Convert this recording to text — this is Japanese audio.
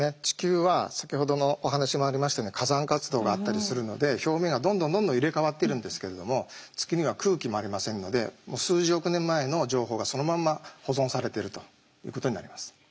地球は先ほどのお話もありましたように火山活動があったりするので表面がどんどんどんどん入れ替わってるんですけれども月には空気もありませんので数十億年前の情報がそのまんま保存されてるということになります。